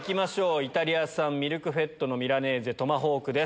イタリア産ミルクフェッドのミラネーゼトマホークです。